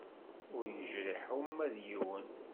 Ur yejriḥ uma d yiwen.